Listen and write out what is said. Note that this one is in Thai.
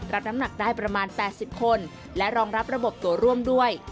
รับน้ำหนักได้ประมาณ๘๐คนและรองรับระบบตัวร่วมด้วย